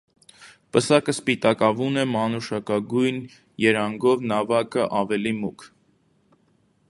Պսակը սպիտակավուն է՝ մանուշակագույն երանգով, նավակը՝ ավելի մուգ։